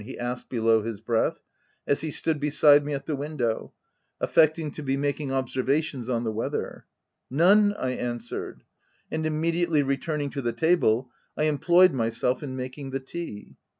he asked below his breath, as he stood beside me at the window, affecting to be making observations on the weather. "None," I answered. , And immediately returning to the table, I employed myself in making the tea.